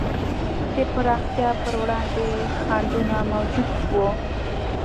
د پراختیا پر وړاندې خنډونه موجود وو.